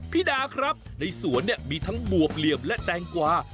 พี่ดาครับในสวนเนี่ยมีทั้งบวบเหลี่ยมและแตงกวา